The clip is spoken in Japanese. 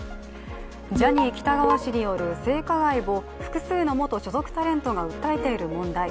ジャニー喜多川氏による性加害を複数の元所属タレントが訴えている問題